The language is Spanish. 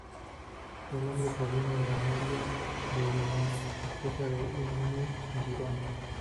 El nombre proviene de Amelia de Vilanova, esposa de Ignasi Girona.